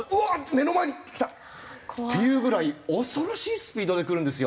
目の前に来た！っていうぐらい恐ろしいスピードで来るんですよ。